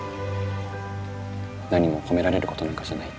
何も褒められることなんかじゃない。